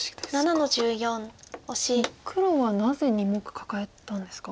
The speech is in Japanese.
もう黒はなぜ２目カカえたんですか？